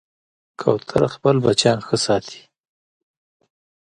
کوتره خپل بچیان ښه ساتي.